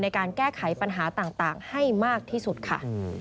ในการแก้ไขปัญหาต่างให้มากที่สุดค่ะ